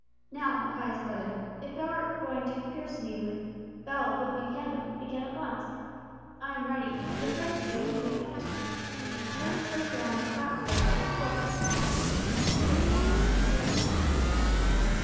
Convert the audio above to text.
Now, my pious brother, if thou art going to curse me with bell, book, and candle, begin at once. I am ready, and prepared to be duly penitent. Let me first put on my cap though, for it is cold," and he suited the action to the word.